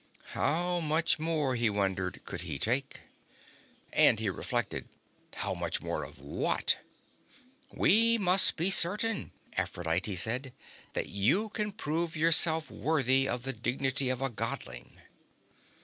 How much more, he wondered, could he take? And, he reflected, how much more of what? "We must be certain," Aphrodite said, "that you can prove yourself worthy of the dignity of a Godling."